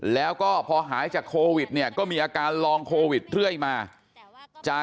แล้วก็พอหายจากโควิดเนี่ยก็มีอาการลองโควิดเรื่อยมาจะ